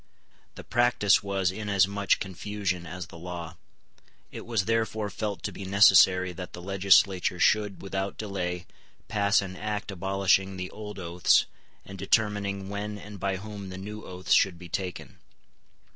The practice was in as much confusion as the law. It was therefore felt to be necessary that the legislature should, without delay, pass an Act abolishing the old oaths, and determining when and by whom the new oaths should be taken.